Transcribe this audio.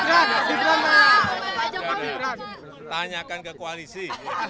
dukung semuanya untuk kebaikan negara ini